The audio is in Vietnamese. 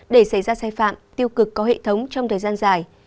để xảy ra sai phạm tiêu cực có hệ thống trong thời gian dài